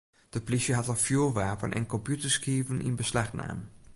De plysje hat in fjoerwapen en kompjûterskiven yn beslach naam.